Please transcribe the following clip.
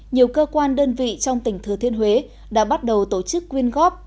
nhiều cơ quan đơn vị trong tỉnh thừa thiên huế đã bắt đầu tổ chức quyên góp